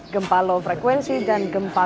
gempa low frekuensi dan gempa